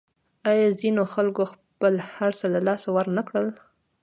آیا ځینو خلکو خپل هرڅه له لاسه ورنکړل؟